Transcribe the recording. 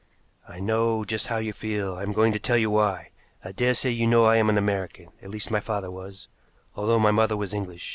I know just how you feel. I am going to tell you why. I daresay you know I am an American at least my father was, although my mother was English.